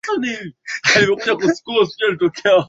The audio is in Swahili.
kupata kizuri ijapo kwa hatari fulani